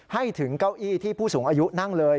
ให้ถึงเก้าอี้ที่ผู้สูงอายุนั่งเลย